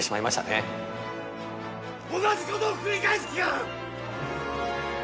同じことを繰り返す気か！